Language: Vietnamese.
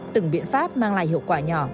từng biện pháp mang lại hiệu quả nhỏ